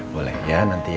boleh ya nanti ya